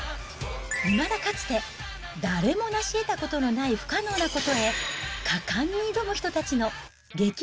いまだかつて誰も成しえたことのない不可能なことへ、果敢に挑む人たちの激